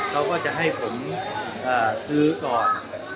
เขาก็จะให้ผมซื้อก่อน